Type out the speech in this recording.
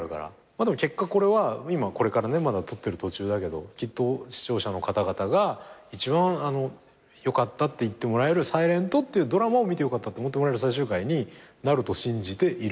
でも結果これは今これからねまだ撮ってる途中だけどきっと視聴者の方々が一番良かったって言ってもらえる『ｓｉｌｅｎｔ』っていうドラマを見て良かったって思ってもらえる最終回になると信じている今は。